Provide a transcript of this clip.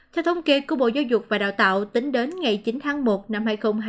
theo thống kê của bộ giáo dục và đào tạo tính đến ngày chín tháng một năm hai nghìn hai mươi